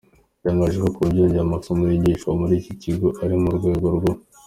yatangeje ko kuba bongeye amasomo yigishwa muri iki kigo ari mu rwego rwo.